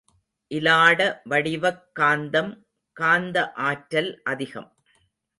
இலாட வடிவக் காந்தம் காந்த ஆற்றல் அதிகம்.